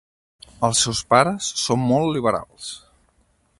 Els seus pares són molt liberals.